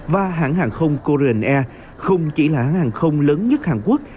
và hãng hàng không korean air không chỉ là hãng không lớn nhất hàn quốc